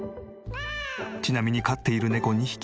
ちなみに飼っている猫２匹も保護猫。